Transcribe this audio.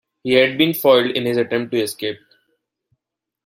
He had been foiled in his attempt to escape.